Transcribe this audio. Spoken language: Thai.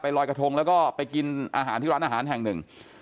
ลอยกระทงแล้วก็ไปกินอาหารที่ร้านอาหารแห่งหนึ่ง